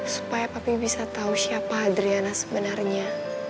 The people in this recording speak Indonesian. supaya papi bisa tahu siapa adriana sebenarnya